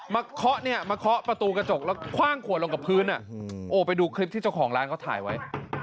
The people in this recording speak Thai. เคาะเนี่ยมาเคาะประตูกระจกแล้วคว่างขวดลงกับพื้นไปดูคลิปที่เจ้าของร้านเขาถ่ายไว้